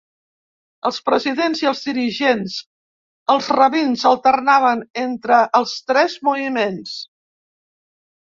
Els presidents i els dirigents, els rabins, alternaven entre els tres moviments.